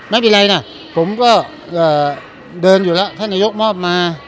ไม่เป็นไรนะผมก็เดินอยู่แล้วท่านนายกมอบมา